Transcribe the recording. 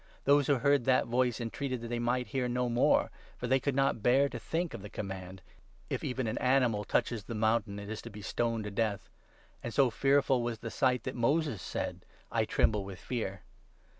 19 Those who heard that voice entreated that they might hear no more, for they could not bear to think of the command — 20 ' If even an animal touches the mountain, it is to be stoned to death;' and so fearful was the sight that Moses said— 21 ' I tremble with fear.'